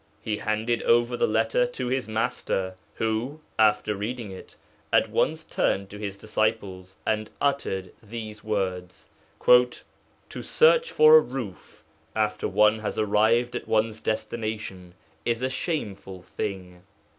He handed over the letter to his Master, who, after reading it, at once turned to his disciples, and uttered these words: 'To search for a roof after one has arrived at one's destination is a shameful thing.